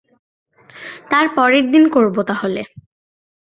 তার পরের দিন করবো, তাহলে।